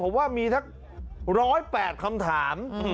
ผมว่ามีร้อยแปดคำถาม